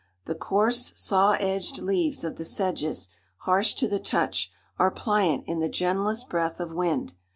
The coarse, saw edged leaves of the sedges, harsh to the touch, are pliant in the gentlest breath of wind.